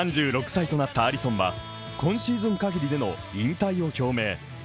３６歳となったアリソンは、今シーズン限りでの引退を表明。